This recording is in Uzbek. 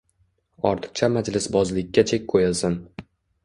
Ortiqcha majlisbozlikka chek qoʻyilsin